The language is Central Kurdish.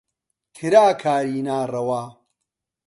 کرا کاری ناڕەوا